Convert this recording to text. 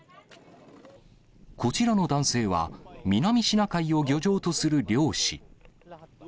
こちらの男性は、南シナ海を漁場とする漁師。